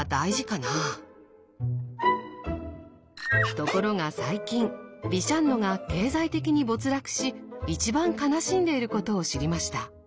ところが最近ビシャンノが経済的に没落し一番悲しんでいることを知りました。